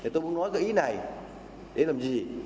tôi muốn nói cái ý này để làm gì